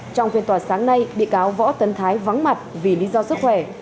trong phiên tòa sáng nay bị cáo võ tấn thái vắng mặt vì lý do sức khỏe